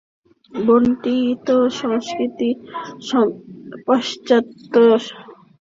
বণ্টিত সংস্কৃতি পাশ্চাত্য সংস্কৃতি বা চীনা সংস্কৃতির মতই ব্যাপক পরিধি নিয়েও হতে পারে।